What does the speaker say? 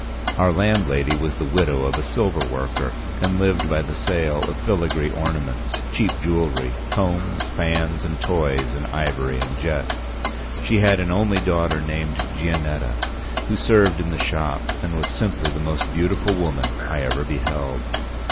Our landlady was the widow of a silver worker, and lived by the sale of filigree ornaments, cheap jewellery, combs, fans, and toys in ivory and jet. She had an only daughter named Gianetta, who served in the shop, and was simply the most beautiful woman I ever beheld.